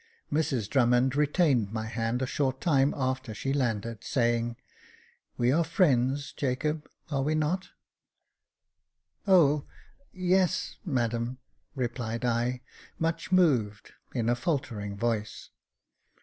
Mrs Drummond retained my hand a short time after she landed, saying, " We are friends, Jacob, are we not .?" Jacob Faithful 315 " O, yes, madam," replied I, much moved, in a faltering voice.